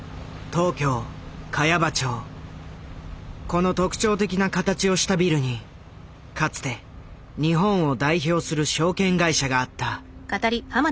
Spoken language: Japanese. この特徴的な形をしたビルにかつて日本を代表する証券会社があった。